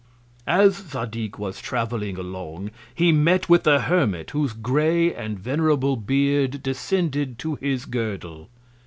As Zadig was travelling along, he met with a Hermit, whose grey and venerable Beard descended to his Girdle.